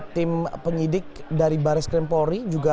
tim penyidik dari baris krim polri juga